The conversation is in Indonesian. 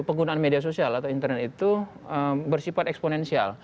penggunaan media sosial atau internet itu bersifat eksponensial